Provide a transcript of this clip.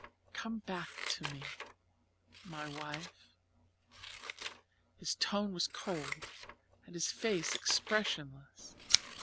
Come back to me my wife." His tone was cold and his face expressionless.